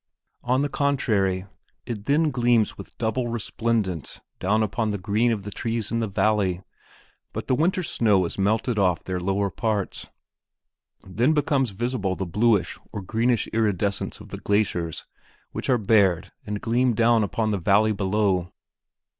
On the contrary it then gleams with double resplendence down upon the green of the trees in the valley; but the winter's snow is melted off their lower parts. Then becomes visible the bluish or greenish iridescence of the glaciers which are bared and gleam down upon the valley below.